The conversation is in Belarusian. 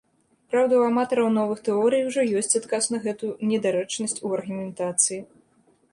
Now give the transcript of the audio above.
Праўда, у аматараў новых тэорый ужо ёсць адказ на гэту недарэчнасць у аргументацыі.